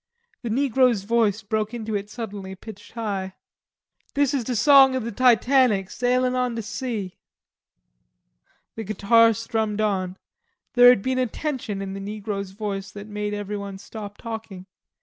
The negro's voice broke into it suddenly, pitched high. "Dis is de song ob de Titanic, Sailin' on de sea." The guitar strummed on. There had been a tension in the negro's voice that had made everyone stop talking.